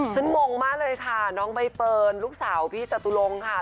งงมากเลยค่ะน้องใบเฟิร์นลูกสาวพี่จตุลงค่ะ